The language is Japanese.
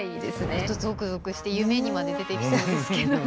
ちょっと、ぞくぞくして夢にまで出てきそうですけどね。